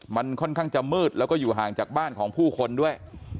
มันค่อนข้างจะมืดแล้วก็อยู่ห่างจากบ้านของผู้คนด้วย